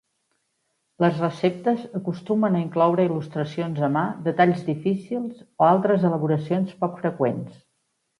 Les receptes acostumen a incloure il·lustracions a mà de talls difícils o altres elaboracions poc freqüents.